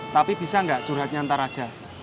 tapi bisa gak curhat nyantar aja